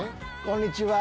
こんにちは。